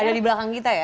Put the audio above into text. ada di belakang kita ya